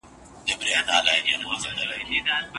ن و، قاف و، يې و، بې ښايسته تورې